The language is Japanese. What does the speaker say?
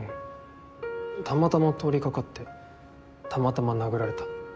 たまたま通りかかってたまたま殴られた。